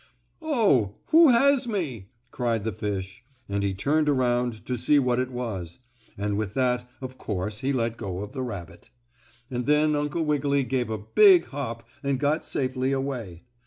"Oh, who has me?" cried the fish, and he turned around to see what it was, and with that of course he let go of the rabbit. And then Uncle Wiggily gave a big hop and got safely away.